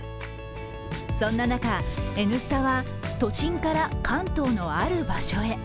そんな中、「Ｎスタ」は都心から関東のある場所へ。